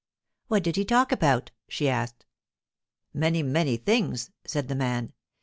'What did he talk about?' she asked. 'Many, many things,' said the man.